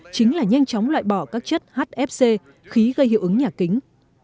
chính là nhanh chóng loại bỏ các chất hfc khí gây hiệu ứng nhà kính